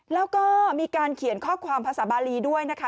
แล้วก็มีการเขียนข้อความภาษาบาลีด้วยนะคะ